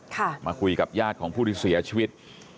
มาคุยกับญาติของผู้ที่เสียชีวิต